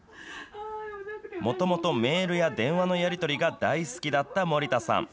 もともとメールや電話のやり取りが大好きだった森田さん。